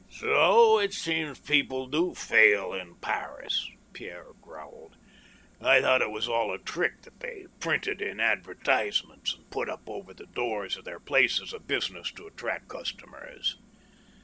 " So it seems people do fail in Paris," Pierre growled. " I thought it was all a trick that they printed in advertisements, and •put up over the doors of their places of business to attract custom ers.